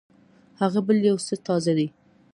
هغه بل يو څه تازه دی.